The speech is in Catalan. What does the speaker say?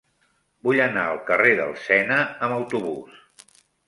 Vull anar al carrer del Sena amb autobús.